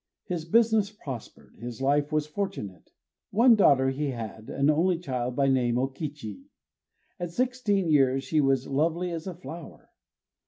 His business prospered; his life was fortunate. One daughter he had, an only child, by name O Kichi: at sixteen years she was lovely as a flower.